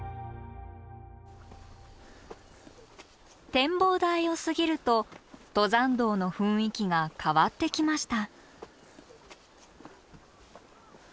展望台を過ぎると登山道の雰囲気が変わってきました